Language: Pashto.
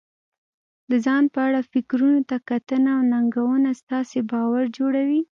د ځان په اړه فکرونو ته کتنه او ننګونه ستاسې باور جوړوي.